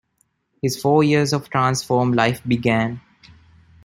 His four years of "transform" life began.